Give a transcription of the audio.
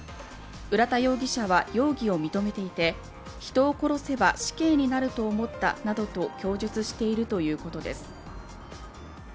浦田容疑者は容疑を認めていて、人を殺せば死刑になると思ったなどと供述しているということです。